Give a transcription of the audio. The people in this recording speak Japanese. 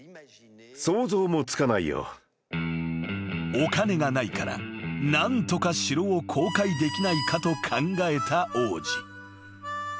［お金がないから何とか城を公開できないかと考えた王子］